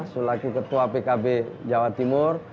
selaku ketua pkb jawa timur